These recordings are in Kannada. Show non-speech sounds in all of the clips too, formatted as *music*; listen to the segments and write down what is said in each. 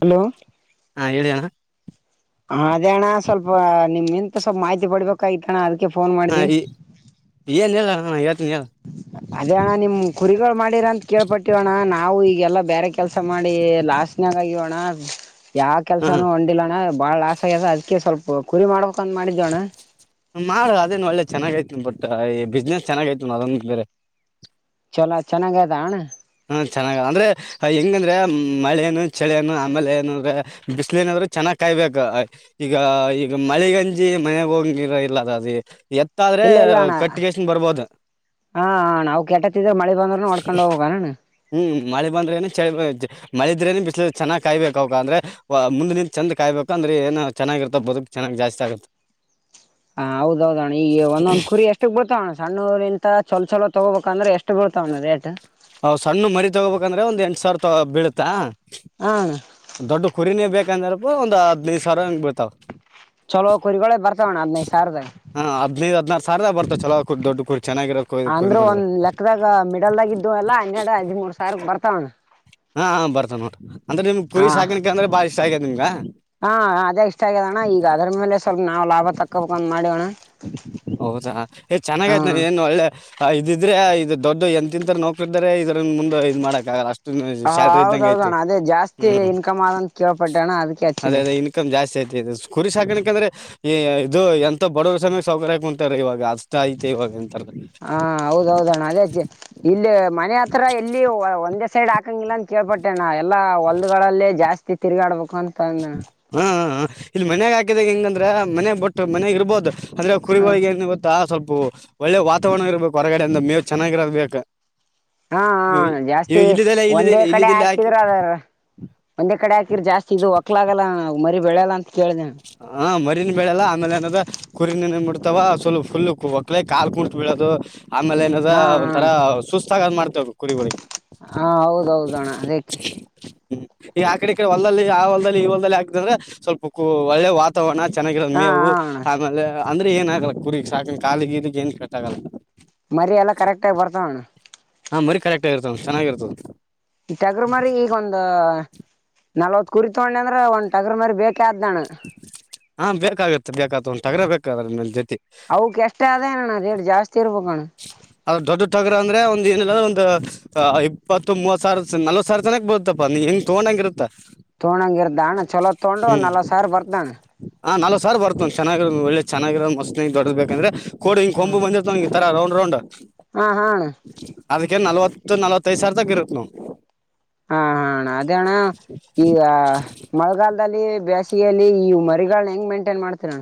ಹಲೋ ಹಾ ಹೇಳಿ ಅಣ್ಣರೆ ಸ್ವಲ್ಪ್ ಮಾಹಿತಿ ಪಡ್ಬೇಕಾಗೈತಣ್ಣ ಅದು ಹಾ ಈ ಏನ್ ಹೇಳ್ ಅಣ್ಣ ಹೇಳ್ತೀನ್ ಹೇಳ್ ಅದೇ ಅಣ್ಣ ನಿಮ್ ಕುರಿಗಳು ಮಾಡಿರ ಅಂತ ಕೇಳ್ಪಟ್ಟೇ ಅಣ್ಣ ನಾವು ಈ ಈ ಎಲ್ಲಾ ಬೇರೆ ಕೆಲಸ ಮಾಡಿ ಲಾಸ್ನಾಗಿ ಆಗಿವಣ್ಣ ಯಾವ ಹಾ ಕೆಲಸನೂ ಹೊಂಡಿಲ್ಲಣ್ಣ ಬಾಳ ಲಾಸ್ ಆಗ್ಯದ ಅದ್ಕ ಸ್ವಲ್ಪ ಕುರಿ ಮಾಡ್ಬೇಕು ಅಂತ ಮಾಡಿದೆ ಅಣ್ಣ ಮಾಡು ಅದೇನು ಒಳ್ಳೆ ಚೆನ್ನಾಗೈತಿ ಬಟ್ಟ್ ಈ ಬಿಸ್ನೆಸ್ ಚೆನ್ನಾಗೈತಿ ನೋಡ್ ಬೇರೆ ಚಲೋ ಚೆನ್ನಾಗದ ಅಣ್ಣ ಹ ಚೆನ್ನಾಗ ಅಂದ್ರೆ ಹೆಂಗ ಅಂದ್ರೆ ಮಳೆ ಏನು ಚಳಿ ಏನು ಆಮೇಲೆ ಏನು ಅಂದ್ರೆ ಬಿಸಿಲು ಏನಾದ್ರೆ ಚೆನ್ನಾಗ್ ಕಾಯಬೇಕು ಈಗ ಈಗ ಮಳಿಗಂಜಿ ಮನೆಗ್ ಹೋಗಂಗಿಲ್ಲ ಇಲ್ಲದ ಅ ಎತ್ತಾದ್ರೆ ಇಲ್ಲ ಇಲ್ಲ ಅಣ್ಣ ಕಟ್ಟಿಗೆೇಶನ್ ಬರ್ಬೋದು ಹಾ ನಾವು ಕೆಟ್ಟತ್ತಿದ್ರೆ ಮಳೆ ಬಂದ್ರನು ಹೊಡ್ಕೊಂಡ್ ಹೋಗ್ಬೇಕಣ್ಣ ಹ್ಮ್ ಮಳೆ ಬಂದ್ರೆ ಏನೂ ಚಳಿ ಬಂದ್ ಮಳಿದ್ರೇನು ಬಿಸಿಲು ಇದ್ರೇನು ಚನ್ನಾಗ್ ಕಾಯಬೇಕು ಅವಕ ಅಂದ್ರೆ ಒ ಮುಂದು ನಿಂತ್ ಚಂದ್ ಕಾಯಬೇಕು ಅಂದ್ರೆ ಏನು ಚೆನ್ನಾಗಿರ್ತವ್ ಬದುಕ್ ಚೆನ್ನ್ ಜಾಸ್ತಿ ಆಗುತ್ತೆ ಹ ಹೌದೌದಣ್ಣ ಈಗ ಒಂದೊಂದ್ ಕುರಿ ಎಷ್ಟಕ್ ಬರುತ್ತವಣ್ಣ ಸಣ್ಣ ಊರಿಂತ ಚಲೋ ಚಲೋ ತಗೋಬೇಕಂದ್ರೆ ಎಷ್ಟು ಬೀಡ್ತಾವಣ್ಣ ರೇಟ್ ಹ್ ಸಣ್ಣ ಮರಿ ತಗೋಬೇಕಂದ್ರೆ ಒಂದ್ ಎಂಟ್ ಸಾವಿರ ತ ಬೀಳುತ್ತಾ ಹಾ ದೊಡ್ಡ ಕುರಿನೇ ಬೇಕಂದ್ರೆ ಒಂದ್ ದ್ ಹದಿನೈದು ಸಾವಿರ ಅಂಗ್ ಬಿಳ್ತಾವ ಚಲೋ ಕುರಿಗಳೇ ಬರ್ತಾವಣ್ಣ ಹದ್ನೈದು ಹದಿನೈದು ಹದಿನಾರು ಸಾರದ ಬರ್ತ ಅಂದ್ರೆ ಒಂದ್ ಲೆಕ್ಕದಾಗ ಮಿಡಲ್ದಾಗ ಇದ್ದವೆಲ್ಲಾ ಹನ್ನೆರಡು ಹದಿಮೂರ್ ಸಾವಿರ ಬರ್ ತ್ತ ಹಾ ಬರುತ್ತವ್ ನೋಡ್ರಿ ಅಂದ್ರೆ ನಿಮಗೆ ಕುರಿ ಸಾಕಾಣಿಕೆ ಅಂದ್ರೆ ಬಾಳ್ ಇಷ್ಟ ಆಗೈತಿ ನಿಮ್ಗ ಹಾ ಅದೇ ಅದೇ ಇಷ್ಟ ಆಗಿದೆಣ್ಣ ಈಗ ಅದ್ರ ಮೇಲೆ ಸ್ವಲ್ಪ ನಾವು ಲಾಭ ತಕ್ಕೋಬೇಕ್ ಅಂತ ಮಾಡ್ಯಾವಣ್ಣ ಹೌದಾ ಏ ಚೆನ್ನಾಗಯ್ತ್ ಹ್ಮ್ ನೋಡ್ ಏನ್ ಒಳ್ಳೆ ಹ ಇದಿದ್ರೆ ಇದು ದೊಡ್ಡ ಎಂತತಿಂತ ನೌಕರಿ ಇರ್ತಾರೆ ಇದ್ರ ಮುಂದ ಇದ ಮಾಡಕ್ ಆಗಲ್ಲ ಅಷ್ಟ್ ಷ್ಟ್ ಸಾಲ್ರಿ ಇದ್ದಂಗ ಐಯ್ತಿ ಹೌದೌದಣ್ಣ ಅದೇ ಜಾಸ್ತಿ ಹ್ಮ ಇನ್ಕಮ್ ಆದಂತ ಕೇಳ್ಪಟ್ಟೆ ಅಣ್ಣ ಅದಕ್ಕೆ ಅದೇ ಹಚ್ಚಿದೆ ಅದೇ ಇನ್ಕಮ್ ಜಾಸ್ತಿ ಆ ತ್ತಿ ಕುರಿ ಸಾಕಾಣಿಕೆ ಯಾಕಂದ್ರೆ ಇದು ಎಂತ ಬಡವರ ಸಮ ಸವೌಕರು ಕುಂತಾರೆ ಇವಾಗ ಅಷ್ಟು ಐತೆ ಇವಾಗ ಎಂತಾರೆ ಹಾ ಹೌದೌದಣ್ಣ ಅದೇ ಇಲ್ಲಿ ಮನೆ ಹತ್ರ ಎಲ್ಲಿ ಒಂದೇ ಸೈಡ್ ಹಾಕಂಗಿಲ್ಲ ಅಂತ ಕೇಳ್ಪಟ್ಟೆ ಅಣ್ಣ ಎಲ್ಲಾ ಹೊಲ್ದಗಳಲ್ಲೇ ಜಾಸ್ತಿ ತಿರುಗಾಡ್ಬೇಕು ಅಂತ ಅಂದಣ್ಣ ಹಾ ಹ ಇಲ್ಲಿ ಮನೆಗ್ ಹಾಕಿದಾಗ ಹೆಂಗಂದ್ರೆ ಮನೆ ಬಟ್ಟು ಮನೆಗ್ ಇರ್ಬೋದು ಅಂದ್ರೆ ಹಾ ಕುರಿಗಳಿಗೆ ಏನ್ ಗೊತ್ತಾ ಸ್ವಲ್ಪ ಒಳ್ಳೆ ವಾತಾವರಣ ಇರ್ಬೇಕು ಹೊರಗಡೆಯಿಂದ ಮೇವು ಚೆನ್ನಾಗಿರೊದ್ ಬೇಕ್ ಹಾ ಹ ಜಾಸ್ತಿ ಇಲ್ಲಿ ಒಂದೇ ಕಡೆ ಇಲ್ಲಿದೆಲ್ಲ ಹಾಕಿ ಹಾಕಿದ್್ರ ಅದಾರ ಒಂದೇ ಕಡೆ ಹಾ. ಜಾಸ್ತಿ ಇದು ಹೊಕ್ಕಕ್ಲಾಗಲ್ಲ ಮರಿ ಬೆಳಲ್ಲ ಅಂತ. ಕೇಳಿದೆ ಹಾ ಮರಿೀನ್ ಬೆಳಲ್ಲ ಆಮೇಲೆ ಏನದ. ಕುರಿನ ಬಿಡ್ತಾವ ಸ್ವಲ್ ಫುಲ್ ಕು ಒಕ್ಕಳೇ ಕಾಲು ಕುಂತು ಬೀಳೋದು. ಆಮೇಲೆ ಏನದ ಹಾ ಅಣ್ಣ ಒಂಥರಾ ಸುಸ್ತ ಆಾಗ್ ಮಾಡ್ತ. ಕುಳ. ಹಾ ಹೌದೌದು ಅಣ್ಣ ಅದಕ್ಕೆ ಹ್ಮ್ ಈ ಆಕಡೆ ಈ ಕಡೆ ಹೊಲ್ದಲ್ಲಿ ಆ ಹೊಲದಲ್ಲಿ ಈ ಹೊಲ್ದಲ್ಲಿ ಆಗ್ತ ಅಂದ್ರೆ ಸ್ವಲ್ಪ ಒಳ್ಳೆ ವಾತಾವರಣ. ಚೆನ್ನಾಗಿರೋ ಹಾ ಮೇವು ಹಾ ಅಣ್ಣ ಆಮೇಲೆ ಅಂದ್ರೆ ಏನ ಆಾಗಲ್ಲ ಕುರಿಗ್ ಸಾಕ ಕಾಲಿಗೆ ಇದಗ್ ಏನ್ ಕೆಟ್ ಆಾಗಲ್ಲ. ಮರಿ ಎಲ್ಲಾ ಕರೆಕ್ಟ ಆಾಗಿಿ ಬರ್ತಾವಣ್ಣ. ಹಾಂರಿ ಕರೆಕ್ಟ್ ಆಗಿತ ಚೆಾಗಿರ್ತದೆ. ತಟಗ್ರ ಮರಿ ಈಗೊಂದ ನಲ್ವತ್ ಕುರಿ ತಗೊಂಡೆ ಅಂದ್ರ ಒಂದ್ ತೆಗ್ರ ಮರಿ ಬೇಕ. ಅ ಅದಾನ. ಹಾ ಬೇಕಾಗತ್ತೆ ಬೇಕತ್ತ ಒಂದ್ ತಗ್ರ ಬೇಕಾದ್ರ ಜೊತೆ. ಅವಕ ಎಷ್ಟ ಆದೇನಣ್ಣ ರೇಟ್ ಜಾಸ್ತಿ ಇರ್ಬೇಕಣ್ಣ. ಏನಲ್ಲ ಒಂದು ಇಪ್ಪತ್ತುತ್ವತ್ ಸಾವಿರ ನಲ್ವತ್ ಸಾವಿರ ಜನಕ್ ಬತ್ತಪ್ಪಾ ಹೆಂಗ ತಗೊಂಡಂಗ ಇರತ್ತ. ತೊೊಂಡಂಗ ಇರ್ದ ಅಣ್ಣ ಚಲೋ ತೊೊಂಡ್ರ ಒ್ ಹ್ಮ್ ನಲ್್ ಸಾರ್ ಬರ್ದಣ್ಣ. ಹಾ ನಾಲ್ಕ ಸರ್ ಬರ್ತವ್ ಚನ್ನಾಗಿ ಒೆ ಚೆನ್ನಾಗಿರೋ ಮತ್ ದೊಡರ್ಬೇಕಂದ್ರೆ ಕೋ ಹಿಂಗ ಕೊಂಬ ಬಂದಿತವ. ತರ ರೌಂಡ್ ರೌಂಡ್. ಹಾ ಹಾ ಅಣ್ಣ ಅದಕ್ಕೆ ನಲ್ವತ್ತು ನಲ್ವತ್ತೈದ್ ಸಾವರದಾಗ ಇರುತ್ತತ್ ನವು. ಹಾ ಹಣ್ಣ ಅದೇಣ್ಣ ಈಗ ಮಳೆಗಾಲದಲ್ಲಿ ಬೇಸ್. ಲ್ಲಿ ಈ ಮರಿಗಳ ಹೆಂಗ್ ಮೇಂಟೈನ್ ಮಾಡ್ತೇ ನು.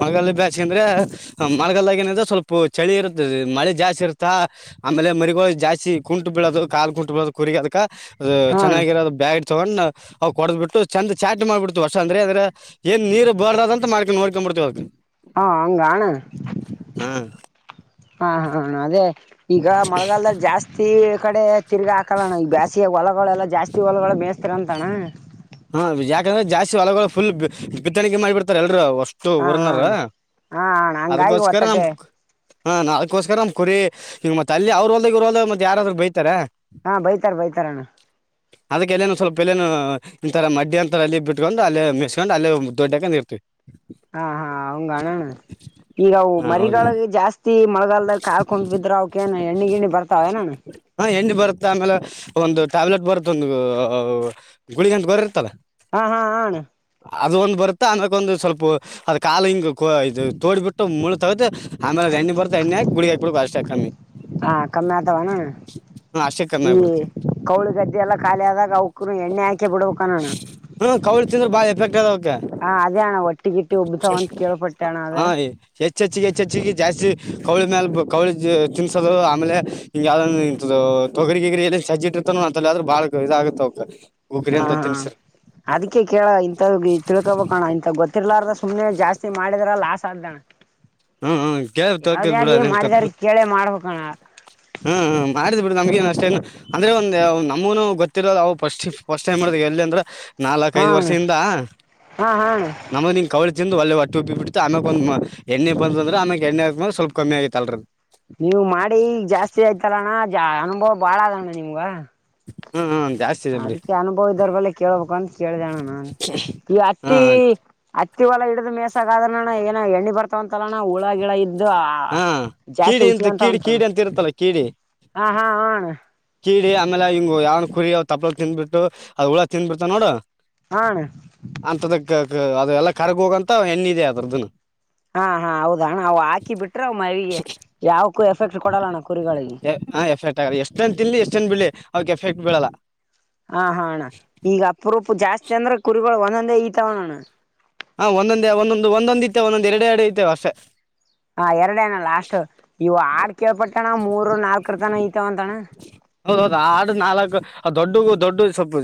ಮಗಾಲ ಬ್ಯಿ ಅಂದ್ರೆ ಮಾರ್ಗಲ್ದಾಗ ಏನಂದ್ರೆ ಸ್ವಲ್ಪ ಚಳಿ ಇರುತ್ತ ಮಳೆ ಜಾಸ್ತಿ ಇರುತ್ತಾ. ಆಮೇಲೆ ಮರಿಗೋ ಜಾಸ್ತಿ ಕುಂಟು ಬೀಳೋದು ಕಾಲು ಕುಂಟು ಬೀೋದು ಕುರಿಗೆಗ ಅದಕ ಅದು ಹಾ ಅಣ್ಣ ಚೆನ್ನಾಗಿರೋದು ಬ್ಯಾಗ. ತಗೊಂಡ್ ಅವು ಕೊಡದ್ ಬಿಟ್ಟು ಚಂದ ಚಾಟ್ಿ ಮಾಡ್ಬಿಡ್ತ ವರ್ಷಂದ್ರ ಅಂದ್ರೆ ಏನ್ ನೀರ್ ಬರ್ದ ಅಂತ ಮಾಡ್ಕೊಂಡ ನೋ. ಮಾಡ್ತ ಹ್ೀಿ. ಹಾ ಅಂಗಣ ಹಾ ಹ ಹ ಹ ಅದೇ. ಈಗ ಮಳಗಾಲದ ಜಾಸ್ತಿ ಕಡೆ ತಿರ್ಗಿ ಹಾಕೋಣ ಈ ಬ್ಯಾಸಿಯ ಹೊಲಗಳೆಲ್ಲ ಜಾಸ್ತಿ ಹೊಲ ಮೇ. ತ್ರರಂತಣ್ಣ. ಹಾ ಯಾಕಂದ್ರೆ ಜಾಸ್ತಿ ಹೊಲಗಳು ಫುಲ್ ಬಿತ್ತಣಕೆ ಮಾಡಿ ಬಿಡ್ತಾರೆ ಎಲ್ರು. ಅಷ್ಟು ಹಾಂ ಉಊರ್ನರ ಅಣ್ಣ ಹಾಂ ಅಣ್ಣ ಹಂಗಾಗಿ ಅದಗೋಸ್ಕರ ನಮ. ಒತ್ತಟೆ ಹಾ ನಾಕೋಸ್ಕರ ನಮ್ ಕುರಿ ಈಗ ಮತ್ ಅಲ್ಲಿ ಅವ್ರ ಹೊಲ್ದ ಇೋಲ್ದ ಮತ್ ಯಾರಾದ್ ಬೈತಾರ. ಹಾಂ ಬೈತಾರೆ ಬೈತಾರಣ್ಣ ಅದಕ್ಕೆಲ್ಲೇನು ಸ್ವಲ್ಪ ಎಲ್ಲೇನು. ಇಂರ ಮಡ್ಡಿ ಅಂತರ ಅಲ್ಲಿ ಬಿಟ್ಕೊಂಡು ಅೇ ಮಿಸಸ್ಕೊಂಡು ಅೇ ದೊಡ್ಡಾಕ ಇರ್ತಿವಿ. ಹಾ ಹಾ ಹಂಗಣೋಣ ಈಗ ಹಾ ಹೋಗಿ ಮರಿಗಳೊಳಿಗೆ ಜಾಸ್ತಿ. ಮಳಗಾಲದಾಗ ಕಾಕೊಂಡ್ ಬಿದ್ರ ಅವ್ಕೇಏ ಎಣ್ಣಿ ಗಿಣಿ ಬರ್ತಾವಏನ. ಬರುತ್ತ ಆಮೇಲೆ ಒಂದು ಟ್ಯಾಬ್ಲೆಟ್ ಬರುತ್ತ ಒಂದು ಗುಳಿಗಂತ ಗರಿ ಇರ್ತಾವ. ಹಾ ಹಾ ಹಣ. ಅದು ಒಂದು್ ಬರುತ್ತೆ ಅಂದಕ್ಕ ಒಂದು್ ಸ್ವಲ್ಪ ಅದ್ ಕಾ ಹಿಂಗ ಇದು ತೋಡಿಬಿಟ್ಟು ಮುಳೆ ತಗತಿ ಆಮೇಲೆ. ಎ್ಣ ಬರ್ತ ಎ್ಣಯಾಿ ಬಿಡಿಗಾಕ್ ಬಿು ಅಷ್ಟಾಕ್ಕಮ್ಮಿ. ಹಾ ಕಮ್ಮ್ಯಾತವಾಣ. ಅಷ್ಟೇ ಕಮ್ಮಿ ಈ ಆಗ್ಬಿಡುತ್ತೆ ಕೌಳಿ ಗದ್ದೆ ಎಲ್ಲ ಖಾಲಿ ಆದಾಗ ಅವಕ ಎಣ್ಣೆ ಹಾಕಿ ಬಿಡ್ಬೇಕ ಕಣೋಣ. ಹಾ ಕವಳ ತಿಂದ್ರ ಬಾಯ. ಹಾ ಅದೇಣ ಒಟ್ಟಿಗಿಟ್ಟಿ ಉಬ್ಬತಾವಂತ ಕೇಳಪಟ್ಟಣ ಅದ. ಹೆಚ್ಚಚ್ಿಗೆ ಹೆಚ್ಚೆಚ್ಿಗೆ ಜಾಸ್ತಿ. ಕೌಳಿ ಮೇಾಲ ಕೌಳಿ ತಿನ್ಸೋದು ಆಮೇಲೆ ಹ ಯಾವ ತೊಗರಿ ಗಗ್ರ ಸಜ್ಜಿ. ಅಂತ ಆದ್ರೂ ಬಾಳ ಇದ ಆಾಗುತ್ತ ಅವ ಹುಗ್ರಿ ಅಂತ ತಿನ್ಸ್ರಿ. ಅದ್ಕ್ಕೆ ಕೇಳ ಇಂ ತಿಳ್ಕೊಬಣ ಇಂ ಗೊತ್ತರ್ಲಾರ ಸುಮ್ನೆ ಜಾಸ್ತಿ ಮಾಡಿದ್ರ ಲಾಸ್ಟ್. ಸಾಲಣ. ಹ್ಮ್ ಕೆ ತೊಕದ್ ಬಿಡ ಅದೇನ್ ತಪ್ಪ ಕೇಳೇ ಮಾಡ್ಬೇಕಣ್ಣ ಹ್ಮ ಮಾಡ್ ಬಿ. ನಮ್ಗನ್ ಅಷ್ಟೇನು ಅಂದ್ರೆ ಒಂದ್ ನಮಗೂನು ಗೊತ್ತಿರೋವು ಫಸ್ಟ್ ಫಸ್ಟ್ ಟೈಮ್ ಮಾಡ ಎಲ್ಲಿ ಅಂದ್ರ. ನಾಲ್ಕ್ ಹಾ ಐದು ಅಣ್ಣ ವರ್ಷದಿಂದ ಹಾ ಹಾ ಅಣ್ಣ *unintelligible* ಕವಳ ಒೆ ಒಟ್ಟೆ ಉಪ್ಪಿ ಬಿಟ್ಟು ಆಮಕ್ ಒಂದ ಎ್ಣ ಬಂದ್ರೆ ಆಮಕ್ ಎಣ್ಣೆ್ರ ಸ್ವಲ್ಪ ಕಮ್ಮಿ ಆಗಿತಲ್ರ ನೀವು ಮಾಡಿ ಜಾಸ್ತಿ ಆಯ್ತಲ್ಲಣ್ಣ ಜ ಅನುಭವ ಬಾಳ ಅದಣ್ಣ ನಿಮ್ಗ. ಹ್ಮ ಹ್ಮ ಅದಕ್ಕೆ ಅನುಭವ ಇದ್ದರ ಬಲ್ಲೆ ಕೇಳ್ಬೇಕ ಅಂತ ಕೇಳ್ದೇಣ ನಾನ್ ಈ ಹಾ ಅತ್ತಿ ಅ ಹತ್ತತಿವಲ್ಲ ಹಡ್ ಮೇಸಗ ಆದ್ರಣ್ಣ ಏನ ಎ್ಣ ಬರ್ತಾವ ಅಂತಲ್ಲಣ್ಣ ಹುಳ ಗಿಳ ಇದ ಇದು ಹಾ ಜಾಸ್ತಿ ಕೀಡಿ ಅಂತ ಕೀಡಿ ಉಚ್ಗೆಂತಾವಂತಲಣಾ ಕೀಡಿ ಅಂತ ಇರುತ್ತಲ್ಲ ಕೀಡಿ ಹಾ ಹಾ ಹಾ ಅಣಾ ಕೀಡಿ ಆಮೇಲೆ ಹಿಂಗು ಯಾವ್ ಕುರಿ ತಪ್ಪಲಾ ತಿಂದಬಿಟ್ಟು ಅದ ಹುಳ ತಿಂದಬಿಡ್ತಾವ ನೋಡು ಹಾ ಅಣ್ಣ ಅಂತದಕ್ - ಅ ಎಲ್ಲ ಕರ್ಗೋಗಂತ ಎಣ್ಣಿದೆ ಅದ್ರದನ್. ಹಾ ಹಾ ಹೌದಣ್ಣ ಅವು ಹಾಕಿ ಬಿಟ್ರೆ ಅವು ಮೈಗೆ ಯಾವಕ್ಕೂ ಎಫೆಕ್ಟ್ ಕೊಡಲ್ಲಣ್ಣ ಕುರಿಗಳಿಗೆ ಹ ಎಫೆಕ್ಟ್ ಆಗ ಎಷ್ಟೇನ್ ತಿನ್ಲಿ ಎಷ್ಟೇನ್ ಬಿಡ್ಲಿ ಅವಾಕ್ ಎಫೆಕ್ಟ್ ಬೀಳಲ್ಲ. ಹಾ ಹಾ ಆಣ್ಣ ಈಗ ಅಪರೂಪ್ಪ ಜಾಸ್ತಿ ಅಂದ್ರೆ ಕುರಿಗಳು ಒಂದೊಂದೇ ಇಳಿತಾವನಣ್ಣ ಹಾ ಒಂದೊಂದೇ ಒಂದೊಂದು ಒಂದೊಂದ ಇತ್ತೆ ಒಂದೊಂದ್ ಎರಡೆ ಎರಡು ಇಳೀತಾವಷ್ಟೇ. ಹಾ ಎರಡೇ ಅಣ್ಣಾ ಲಾಸ್ಟ್ ಇವ ಆಡ್ ಕೇಳ್ಪಟ್ಟಣ ಮೂರು ನಾಲ್ಕರ ತನ ಇ ತ್ತ ಒಂದಣ ಹೌದ ಹೌದು ಆಡ್ ನಾಲ್ಕು ದೊಡ್ಡಗೂ ದೊಡ್ಡ ಸ್ವಲ್ಪ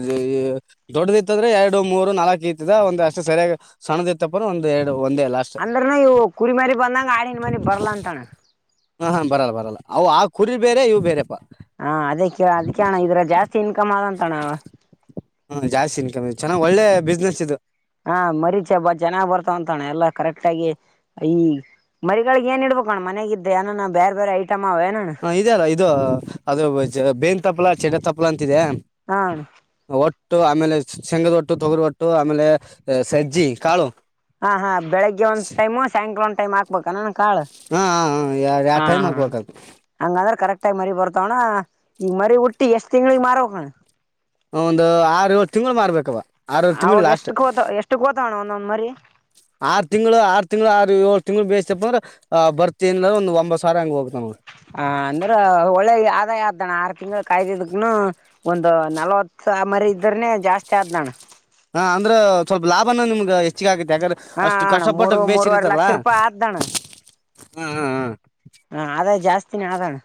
ದೊಡ್ಡದ ಇತ್ತದ್ರೆ ಎರಡು ಮೂರು ನಾಲ್ಕು ಕೀತಿದ ಒಂದ ಅಷ್ಟು ಸರಿಯಾಗಿ ಸಣ್ಣದ ಇತ್ತಪ್ಪ ಒಂದು ಎರಡು ಒಂದೇ ಲಾಸ್ಟ್ ಅಂದ್ರನು ಇವು ಕುರಿ ಮರಿ ಬಂದಂಗ ಆಡಿನ ಮರಿ ಬರ್ಲ ಅಂತಣ ಹಾ ಹಾ ಬರಲ್ಲ ಬರಲ್ಲ ಆವ್ ಆ ಕುರಿ ಬೇರೆ ಇವು ಬೇರೆಪಾ. ಹಾ ಅದಕ್ಕೆ ಅದಕ್ಕೆಣ ಇದ್ರ ಜಾಸ್ತಿ ಇನ್ಕಮ್ ಆದಂತಣ್ಣ. ಹ್ಮ ಜಾಸ್ತಿ ಇನ್ಕಂ ಚೆನ್ನಾಗ್ ಒಳ್ಳೆ ಬಿಸ್ನೆಸ್ ಇದು. ಹಾ ಮರೀ ಚ ಬ ಚನಾಗ್ ಬರ್ತಾವಂತಣ ಎಲ್ಲಾ ಕರೆಕ್ಟ್ ಆಗಿ ಈ ಮರಿಗಳಿಗೆ ಏನ್ ಇಡ್ಬೇಕು ಅಣ್ಣ ಮನ್ಯಾಗಿದ್ದಾಗ ಏನನ ಬ್ಯಾರ್ ಬ್ಯಾರೆ ಐ ಹ ಇದೆ ಅಲ್ಲ ಇದು ಅದು ಬೇವಿನ್ ತಪ್ಪಲ ಚಟ್ಟೆ ತಪ್ಪಲ ಅಂ ತಿದೆ ಹಾ ಅಣ್ಣ ಒಟ್ ಒಟ್ಟು ಆಮೇಲೆ ಶೆಂಗದ ಒಟ್ಟು ತೊಗರಿ ಒಟ್ಟು ಆಮೇಲೆ ಸಜ್ಜಿ ಕಾಳು ಹಾ ಹಾ ಬೆಳಗ್ಗೆ ಒಂದು ಟೈಮು ಸಾಯಂಕಾಲ ಟೈಮ್ ಆಗ್ ಕನಣಾ ಕಾಳ ಹಾ ಯಾವ ಹಾ ಟೈಮ್ ಹಾ ಹಾಕ್ಬೇಕದು ಹಂಗಾದ್ರ ಕರೆಕ್ಟ್ ಟೈಮ್ ಮರಿ ಬರ್ ತಣ ಈಗ ಮರಿ ಹುಟ್ಟಿ ಎಷ್ಟ್ ತಿಂಗಳಿಗೆ ಮಾರ್ಬಕಣಾ ಒಂದು ಆರು ಏಳ್ ತಿಂಗಳು ಮಾರ್ಬೇಕವ. ಆರ ಏಳ್ ತಿಂಗಳಿಗ ಅವಾಗ ಲಾಸ್ಟ್ ಎಷ್ಟಕ್ ಹೋತ ಎಷ್ಟಕ್ ಹೋತವಣ ಒಂದೊಂದ್ ಮರಿ ಆರು ತಿಂಗಳು ಆರು ತಿಂಗಳು ಆರ ಏಳ್ ತಿಂಗಳುಳ ಬೇಸ್ತಪ್ಪ ಅ್ರ ಆ ಬರ್ತತಿ ಇಲ್ಲ ಒಂಬ್ ಸಾವರ ಹಂಗ ಹೋಗ ಹಾ ಅಂದ್ರ ಒಳೆ ಆದಾಯ ಆರ್ ತಿಂಗಳ ಕಾಯ್ದಿದಕ್ಕನು ಒಂದು ನಲ್ವತ್ತು ಮರಿ ಇದ್ರನೆ ಜಾಸ್ತಿ ಆದ್ನಣ. ಹಾ ಅಂದ್ರ ಸ್ವಲ್ಪ ಲಾಭನ ನಿಮ್ಗ ಹೆಚ್ಚಿಗ ಆಗ ಹಾ ಅಷ್ಟು ಅಣ್ಣ ಮೂರು ಕಷ್ಟಪಟ್ಟಕ್ ಮೂರುವರೆ ಬೇಸರ್ತಾರಲ್ಲ ಲಕ್ಷ ರೂಪಾಯಿ ಹ್ಮ ಹ್ಮ್ ಹ್ಮ ಹಾ ಆದ ಜಾಸ್ತಿನ ಆದಣಾ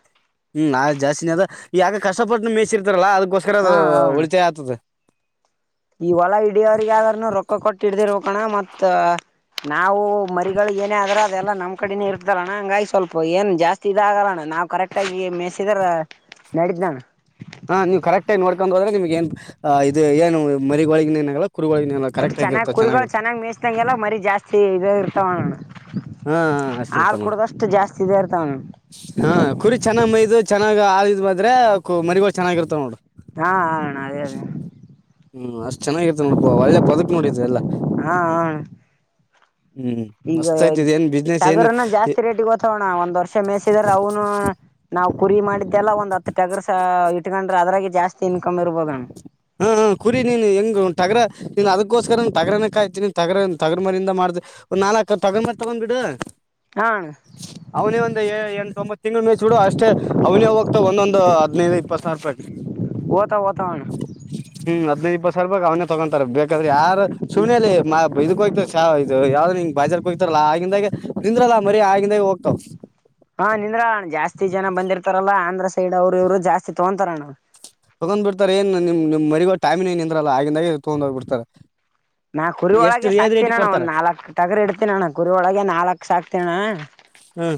ಹ್ಮ್ ಜಾಸ್ತಿನೇ ಅದ ಈ ಯಗ ಕಷ್ಟಪಟ್ಟನ ಮೇಸ್ ಇರ್ತಾರಲ್ಲಾ ಅದಕ್ಕೋಸ್ಕರ ಅದು ಹಾ ಹಣ ಉಳಿತಾಯ ಆಗ್ತದ. ಈ ಹೊಲ ಇಡಿಯವ್ರಗಾದ್ರೂನು ರೊಕ್ಕ ಕೊಟ್ಟ ಇಡ್ದಿರ್ ಬೇಕಣ ಮತ್ತ ನಾವು ಮರಿಗಳಿಗ ಏನೇ ಆದ್ರು ಅದೆಲ್ಲಾ ನಮ್ಮ ಕಡೇನೇ ಇರ್ತದಲ್ಲಣ್ಣ ಹಂಗಾಗಿ ಸ್ವಲ್ಪ ಏನ್ ಜಾಸ್ತಿ ಇದ ಆಗಲ್ಲಣ್ಣ. ನಾವು ಕರೆಕ್ಟ್ ಆಗ ಮೇಸಿದ್ರ ನಡಿತದಣ್ಣ ಹಾ ನೀವು ಕರೆಕ್ಟಾಗ ನೋಡ್ಕೊಂಡು ಹೋದ್ರೆ ನಿಮ್ಗ ಏನ್ ಅಹ ಇದು ಏನು ಮರಿಗೊಳಗಿನ ಏನಾಗಲ್ಲ ಕುರಿಗಳಿಗಿನ ಏನಾಗಲ್ಲ ಒಟ್ ಕರೆಕ್ಟ್ ಚೆನ್ನಾಗ್ ಆಗಿರ್ತಾವ ಕುರಿಗಳು ಚೆನ್ನಾಗಿರ್ತಾವ ಚೆನ್ನಾಗ್ ಮೇಯಸ್ದಂಗೆಲ್ಲ ಮರಿ ಜಾಸ್ತಿ ಇದ ಇರ್ತಾವಣಣಾ ಹೂಂ ಅಷ್ಟ ಇರ್ತಾವ್ ನೋಡ ಜಾಸ್ತಿ ಇದ ಇರ್ತಾವಣ್ಣ ಹಾ ಕುರಿ ಚೆನ್ನಾಗ್ ಮೈದು ಚ ಚನ್ನಾಗಿ ಆಳಿದ್ *unintelligible* ಮರಿಗಳು ಚೆನ್ನಾಗಿರುತ್ತಾವ ನೋಡು ಹಾ ಹಾ ಅಣಾ ಅದೇ ಅದೇ. ಹ್ಮ್ ಅಷ್ಟ್ ಚೆನ್ನಾಗಿರ್ತವ ನೋಡಪಾ ಒಳ್ಳೆ ಬದುಕ್ ನೋಡಿದ ಎಲ್ಲ. ಹಾ ಅಣ್ಣ ಹ್ಮ್ ಮಸ್ತ್ ಐತಿದ್ ಏನ್ ಬಿ ಟಗರನ ಜಾಸ್ತಿ ರೇಟಿಗೆ ಓತ್ತಾವಣಾ ಒಂದ್ ವರ್ಷ ಮೇಸಿದ್ರ ಅವ್ನು ನಾವ್ ಕುರಿ ಮಾಡಿದ್ದೆಲ್ಲ ಒಂದ್ ಹತ್ ಇಟ್ಟಾಗ್ರ ಸ ಇಟ್ಕೊಂಡ್ರ ಅದ್ರಾಗ ಜಾಸ್ತಿ ಇನ್ಕಮ್ ಇರ್ಬೋದಣ್ ಹಾ ಹ ಕುರಿ ನೀನ್ ಹೆಂಗ ತಗ್ರ ನೀನ್ ಅದಕ್ಕೋಸ್ಕರ ತಗರಣನ ಕಾಯ್ತೀಿನಿ ತಗ ತಗ್ರ ಮರಿಯಿಂದ ಮಾಡ ನಾಲ್ಕ ತಗೊಂಬಾರ ತಗೊಂಡ್ಬಿಡು ಹಾ ಅವನೇ ಒಂದ ಎಂಟ ಒೊಂಬತ್ತು ತಿಂಗಗಳ ಮೇಚ್ುಡು ಅಷ್ಟೇ ಅವ್ನೇ ಹೋಗ್ತ ಒಂದೊಂದು ಹದ್ನೈದು ಪಸಾರ ಪ ವತ ವತಣ ಹ್ಮ್ ಹದ್ೈದು ಇಪ್ಪತ್ತು ಸರ್ಲ್ ಬಾಗ ಅವ್ನೇ ತಗೊಂತಾರೆ ಬೇಕಾದ್ರ ಯಾರು ಸುಮನೆಲಿ ಇದ್ಕ್ೋಯ್ತ ಚಾವದು ಯಾವ್ದ್ ಹಂಗ್ ಬಾಜಾರ್ ಹೋಗ್ತಾರಲ್ಲಾ ಆಗಿಂದಾಗೆ ನಿಿಂದ್ರಲ್ಲ ಮರಿ ಆಗಿಂದಾಗೆ ಹೋಗ್ತಾವ ಹಾ ನಿಂದ್ರಣ ಜಾಸ್ತಿ ಜನ ಬಂದಿರ್ತಾರಲ್ಲಾ ಆಂದಧ್ರ ಸೈಡ್ ಅವ್ರರು ಇವ್ರು ಜಾಸ್ತಿ ತಗೊಂತಾರಣ್ಣ ತಗೊಂಡ್ ಬಿಡ್ತಾರೆ ಏನ್ ನಿಮ್ ನಿ್ ಮಗೋ ಟೈಮಿನನ್ ಏನ್ ಇದಂದ್ರಲ್ಲ ಆಗಿಂದಾಗೆ ತಗೊಂಡ್ೋಗ್ ಬಿಡ್ತಾರೆ ನಾ ಕುರಿ ಒಳಗೆ ಸಾಕ್ತನಣ ಒಂದ್ ನಾಲ್ಕಕ್ ತಗ್ರ ಇಡ್ತೀನಣ್ಣ ಕುರಿೊಳಗೆ ನಾಲ್ಕ್ು ಸಾಕ್ತಣ್ಣ ಹ್ಮ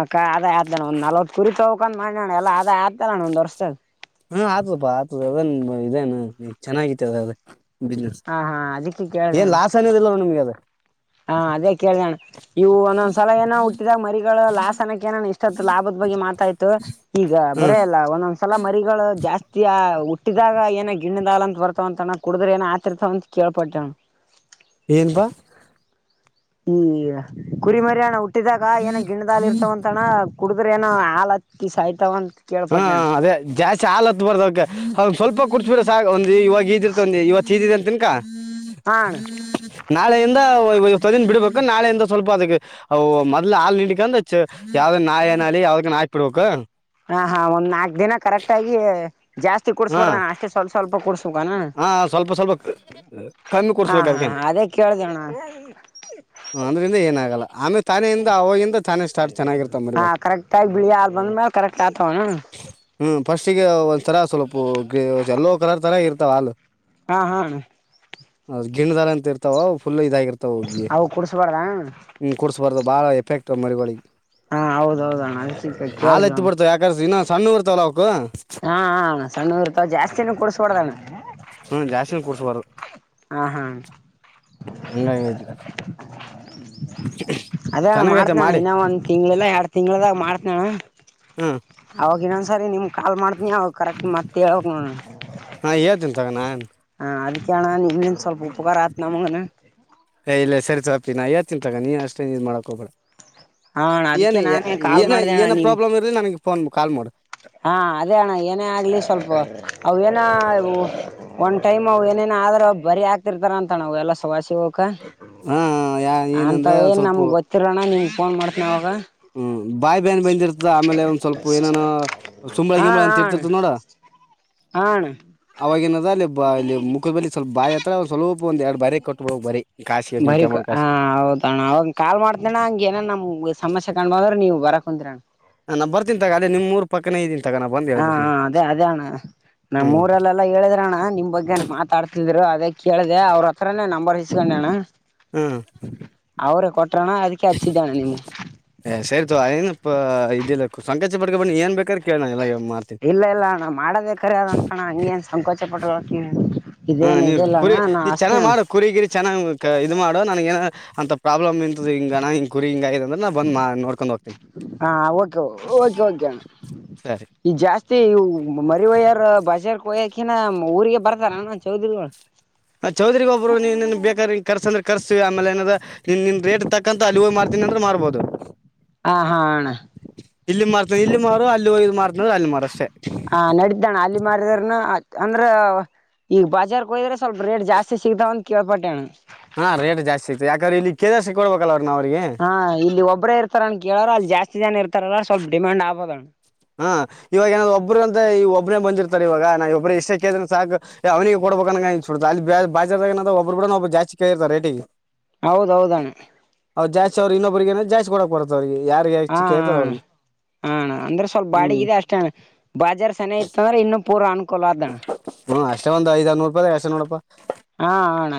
ಅಕ್ಕ ಅದೇ ಆದತಣ್ಣಂದ್ ನಲ್ವತ್ ಕುರಿ ತೊಕಂದ್ ಮಾಡನಣ ಎಲ್ಲ ಅದ ಆತ ಅಣ್ಣ ಒಂದ್ ವರ್ಷದ ಹಾ ಆತಪಾ ಆತ ಅದ ಇದೇನು ಚೆನ್ನಾಗಿತಿ ಅದ ಅದ ಹಾ ಹಾ ಅದ ಏನ್ ಲಾಸ್ ಅನೋದಿಲ್ಲವ ನಿಮಗೆ ಅದು ಹಾ ಅದೇ ಕೇಳ್ದಣ್ಣ ಇವು ಒಂದೊಂದ್ಸಲ ಏನ ಹುಟ್ಟಿದಾಗ ಮರಿಗಳ ಲಾಸನಕ್ಕೆ ಏನ ಇಷ್ಟತ್ತು ಲಾಭದ್ದ ಬಗ್ಗೆ ಮಾತಾಯ್ತು ಈಗ ಹ್ಮ್ ಬರೆಯಲ್ಲ ಒಂದೊಂದ್ ಸಲ ಮರಿಗಳು ಜಾಸ್ತಿ ಹುಟ್ಟಿದಾಗ ಏನ ಗಿಣ್ಣದಾಲ ಅಂತ ಬರ್ತವ ಅಂತಣ್ಣ ಕುಡಿದ್ರ ಏನ ಆತಿರ್ತವ ಅಂತ ಕೇಳ್ಪಡ್ಟ್ಟೇವ ಹ ತನು ಬ ಈ ಕುರಿ ಮರಿಯಾಣ ಹುಟ್ಟಿದಾಗ ಏನ ಗಿಣದಾಲ ಇರ್ತವಂತಣ ಕುಡಿದ್ರ ಏನೋ ಹಾ ಹತ್ತಿ ಸಾಯ್ತವೊಂಡ ಹಾ ಅದೇ ಜಾಸ್ತಿ ಹಲ್ ಹತ್ ಬರ್ದವಕ ಅವ್ ಸ್ವಲ್ಪ ಕುಡಿಸ್ ಬಿಿಾ ಸಾಾಗ ಒಂದು ಇವಾಗ ಇದ ಇರ್ತ ಒಂದು ಇವಾಗ ಚೀ ಇದಿದೆ ಅಂತನ್ಕಾ ಹಾ ಅಣ್ಣ ನಾಳೆೆಯಿಂದ ದ ಬಿಡ್ಬೇಕ ನಾಳೆಯಿಂದ ಸ್ವಲ್ಪ ಅದಕ್ಕೆ ಮೊದಲ ಹಾಲ್ ಯಾವ್ದ ನಾಯೆ ನಳಿ ಯಾವ ಆಯ್ುಿಡ್ಬೇಕ ಹ ಹಾ ಒ್ ನಾಲ್ಕ್ ದಿನ ಕರೆಕ್ಟ್ ಆಗ ಜಾಸ್ತಿ ಕುಡಸ್ಬಡ್ದಾನು ಅಷ್ಟೇ ಸ್ವಲ್ಪ ಸ್ವಲ್ಪ ಕುಡ್ಸ ಹಾ ಸ್ವಲ್ಪ ಸ್ವಲ್ಪ ಕಮ್ಮಿ ಹಾ ಕೊೂಡ್ಸ್ಬೇಕ ಹಾ ಅದ್ಕೇನ್ ಅದೇ ಕೇಳ್ದಣ್ಣ ಅಂದ್ರಿಂದ ಏನಾಗಲ್ಲ ಆಮೇ ತಾನೆಯಿಂದ ಅವೋಗಿಂದ ತಾನೆ ಸ್ಟಾರ್ಟ್ ಚೆನ್ನಾಗಿರ್ತ ಮರಿವ ಹಾ ಕರೆಕ್ಟ್ ಆಗಿ ಬಿಳಿ ಹಾಲ್ ಬಂದ್ಮೇಲೆ ಕರೆಕ್ಟ್ ಆತವಣ ಹ್ಮ್ ಫಸ್ಟಿಗೆ ಒಂದ್ ತರ ಸ್ವಲ್ಪ ಗ ಎಲ್ಲೋ ಕಲರ್ ತರ ಇರ್ತಾವ ಹಾಲು ಹಾ ಹಾ ಹೌದ ಗಿಣದಾರ ಅಂತ ಇರ್ತಾವ ಫುಲ್ಲು ಇದಾಗಿರ್ತಾವ ಹಗಿ ಅವು ಕುಡ್ಸ್ಬಾರ್ದ ಅಣ್ಣ ಹಞ ಕೂಡ್ಸ್ಬಾರ್ದು ಭಾಳ ಎಫೆಕ್ಟ್ ಮರಿಗಳಿಗೆ ಹಾ ಹೌದೌದಣ್ಣ ಅದಕ್ಕೆ ಹಾಲು ಎತ್ತಿ ಕೇಳ್ದೇವಣ್ಣ ಪಡ್ತವೆ ಯಕರ್ಸ ಇನ್ನ ಸಣ್ಣ ಉರ್ತಾವಲ್ಲ ಅವಕ ಹಾ ಸಣ್ಣೂರು ರೂಪಾಯಿ ಜಾಸ್ತಿನ ಕುಡಡ್ಸ್ಬಡ್ದಾನ ಹ್ಞೂ ಜಾಸ್ತಿ ಹಾ ಹಾ ಅಂಗ ಅದೇ ಮಾಡ್ತನಣ ಇನ್ನ ಒಂದ್ ತಿಂಗ್ಳಲ್ಲ ಎರಡ್ ತಿಂಗ್ಳದಾಗ ಮಾಡ್ತನಣ್ಣ ಹ್ಞೂ ಅವಾಗನ್ನೊಂದ್ ಸರಿ ನಿಮ್ಗೆ ಕಾಲ್ ಮಾಡ್ತನಿ ಅವ ಕರೆಕ್ಟ್ ಮತ್ತ ಹೇಳೋಗ ನಾನು ಹಾಂ ಹೇಳ್ತೀನಿ ತಗ ನಾನು ಹ ಅದಕ್ಕೆಣ ನಿಮನ್ ಸ್ವಲ್ಪ ಉಪಕಾರ ಆತ್ ನಮಗನ್ ಏ್ ಇಲ್ಲ ಸರಿತಪಿ ನಾ ಯಾ ತಿಂತಾಗ ನೀ ಅಷ್ಟೇನ್ ಇ್ ಮಾಡಾಕ್ ಹೋಗಬೇಳ ಹಾ ಅಣ್ಣ ಅದಕ್ಕೆ ಏನು ನಾನೇ ಕಾಲ್ ಏನ ಮಾಡ್ದೆ ಅಣ್ಣ ಏನ ನಿಮ್ ಪ್ರಾಬ್ಲಮ್ ಇರಲಿ ನನ್ಗೆ ಫೋನ್ ಕಾಲ್ ಮಾಡ ಹಾ ಅದೇ ಅಣ್ಣ ಏನೇ ಆಗ್ಲಿ ಸ್ವಲ್ಪ ಅವೇನ ಒಂದ್ ಟೈಮ್ ಅವ ಏನ ೇನ ಆದ್ರ ಬರಿ ಆಗ್ತಿರ್ತಾರ ಅಂತ ನವು ಎಲ್ಲ ಸವಾಸಿ ಹಾ ಯಾ ಅಂತ ಏನಂದ್ರೆ ಒಂದ್ ಏನ್ ಸ್ವಲ್ಪ ನಮಗ್ ಗೊತ್ತಿರೋಣ ನಿಮ ಫೋನ್ ಮಾಡ್ತನ ಅವಾಗ ಹ್ಮ್ ಬಾಯಿ ಬಾಯನ್ ಬಂದಿರ್ತ ಆಮೇಲೆ ಒಂದ್ ಸ್ವಲ್ಪ ಏನನ ಸುಂಬಳ ಹಾ ಗಿಂಬಳ ಹಾ ಅಂತ ಅಣ್ಣ ಇರ್ತಿರ್ತ ನೋಡ ಹಾ ಅಣ್ಣ ಅವವಾಗಿನದ ಅಲ್ಲಿ ಇಲ್ಲಿ ಮುಖದೇ ಸ್ವಲ್ಪ ಬಾಯಿ ಹತ್ರ ಸ್ವಲ್ಪ ಬರೇ ಕೊಬೋ ಬರೀ ಬರಿ ಹ ಹೌದಣ್ಣ ಅವಾಗ ಕಾಲ್ ಮಾಡ್ತಣ ಹಂಗಗೆ ಏನ ನಮ್ ಸಮಸ್ಯೆ ಕಣ್ ಬಂದ್ರ ನೀವು ಬರ ಕುಂದರಣ ಹಾ ನ ಬರ್ೀನಿಾಗ ಅದೇ ನಿಮ್ಮ ಊರ್ ಪಕ್ಕನೇ ಇದೀನಿ ತಗ ನಾ ಬಂದ್ ಹಾ ಹೇಳ್ಬಿಡ್ತೀನಿ ಅದೇ ಅದೇ ಅಣ್ಣ ನಮ್ಮ ಹ್ಮ್ ಊರಲ್ಲೆಲ್ಲಾ ಹೇಳಿದ್ರಣ್ಣ ನಿಮ್ ಬಗ್ಗೆ ಮಾತಾಡ್ತಿದ್ರು ಅದೇ ಕೇಳ್ದ ಅವ್ರ ಹತ್ರಾನೇ ನಂಬರ್ ಇಸ್ಕೊಂಡ ಹ್ಮ್ ಅವ್ರೇ ಕೊಟ್ರಣ ಅದಕ್ಕೆ ಹಚ್ಚಿದ್ದಣೆ ನಿಮಗೆ ಸಂಖಕೆ ಬಡ್ ಬಿ ಏನು ಬೇಕ್ರೆ ಇಲ್ಲ ಇಲ್ಲ ಅಣ್ಣ ಮಾಡೋದೇ ಕರಿ ಅದಂತಣ್ಣ ಹಂಗೇನ್ ಸಂಕೋಚ ಪಟರು ಹತ ಹಾ ನೀವು ಕುರಿ ನೀವು ಚೆನ್ನಾಗಿ ಮಾಡು ಕುರಿ ಗಿರಿ ಚೆನ್ನಾಗ್ ಇದು ಮಾಡು ನನಗ ಏನ ಅಂತ ಪ್ರಾಬ್ಲಮ್ಂತದ ಹಿಂಗಣ ಹಿಂ ಕುರಿ ಹಿಂಗಗ ಅಂದ್ರ ನ ಬಂದ್ ನಡ್ಕೊಂಡ್ ಹೋಗ್ತನಿ ಹಾ ಓೆ ಓಕೆ ಓಕೆ ಸರಿ ಈ ಜಾಸ್ತಿ ಮರಿ ಒಯ್ಯಾರ ಬಾಜಾರ್ಯ್ಯಕಿನ ಊರಿಗೆ ಬರ್ತಾರಣ್ಣ ಚೌಧರಿಗಳು ಹ ಚೌದರಿಗ ಒಬ್ಬರು ನೀನನ್ ಬೇಕಾದ ಕರ್ಸನ್ ಕರ್ಸವಿ ಆಮೇಲೆ ಏನಾದ್ರೆ ಇ ನಿನ್ ರೇಟ್ ತಕ್ಕಕಂತ ಅಲ್ಲಿ ಹ ಮಾಡ್ತೀನಿ ಅಂದ್ರೆ ಮಾಡ್ಬೋದು ಹ ಹಾ ಅಣ್ಣ ಅಲ್ಲಿ ಮಾಡ್ತೀಯಾ ಇಲ್ಲಿ ಮಾಡ್ತೀಯಾ ಅಷ್ಟೇ ಹಾ ನಡಿದ್ದಣ ಅಲ್ಲಿ ಮಾರಿದ್ರನ ಅಂದ್ರ ಈಗ ಬಾಜಾರ್ಕ್ೋಯ್ರೆ ಸ್ವಲ್ಪ ರೇಟ್ ಜಾಸ್ತಿ ಸಿಗತಾವ ಒಂದ ಕೇಳ್ಪಟ್ಟಣ್ಣ ಹಾ ರೇಟ್ ಜಾಸ್ತಿಐತೆ ಯಾಕ್ರೆ ಇಲ್ಲಿ ಕೇಸ ಸಿ ಕೊೊಡ್ಬೇಕಲ್ಲ ಅವ ಹಾ ಇಲ್ಲಿ ಒಬ್ಬ್ರೇ ಇರ್ತಾರನ್ ಕೇಳಾರ ಅಲ್ಲಿ ಜಾಸ್ತಿ ಜನ ಇರ್ತಾರಲ್ಲ ಸ್ವಲ್ಪ ಡಿಮಾಂಡ್ ಆಬೋದಣ್ಣ ಹಾ ಇವಾಗ ಏನಾದ್ ಒಬ್ಬ್ರಗ ಅಂತ ಈ ಒಬ್ಬನೇ ಬಂದಿರ್ತಾರೆ ಇವಾಗ ನಾ ಒಬ್ಬ್ರ ಇಷ್ಟಕ್ಕೇಳ್ರ ಸಾಕು ಅವನಿಿಗೆ ಕೊೋಡಬೇಕ ಅಲ್ಲಿ ಬಾಜಾರ್ದ ಒಬ್ಬರುೂಡ ಒಬ್ಬ ಜಾಸ್ ಕ ಇರ್ತಾರೆ ರೇಟಿಗೆ ಹೌದೌದಣ ಅವ್ ಜಾಸ್್್ರ ಇನ್ನೊಬರಿಗೆಗನ ಜಾಸ್ ಕೊಡಕ್ ಬತ್ತ ಅವಿಗೆ ಹಾ ಹ ಹ ಅಂದ್ರೆ ಸ್ವಲ್ಪ ಹ್ಮ್ ಬಾಡಿಗೆದೆ ಅಷ್ಟಣ ಬಾಜಾರ್ ಸೆನ ಇತ್ತ ಅಂದ್ರೆ ಇನ್ನುೂ ಪೂರ್ವ ಅನುಕೂಲ ಆದಣ ಹ್ಮ್ ಅಷ್ಟ ಒಂದ ಐದ್ನೂರುೂಪ ಎಷ್ಟ ನೋಡಪ್ಪ ಹಾ ಹಣ